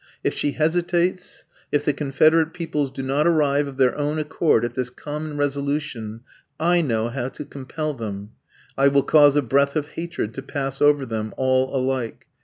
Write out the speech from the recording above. If she hesitates, if the confederate peoples do not arrive of their own accord at this common resolution, I know how to compel them; I will cause a breath of hatred to pass over them, all alike.